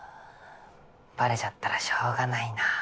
バレちゃったらしょうがないな。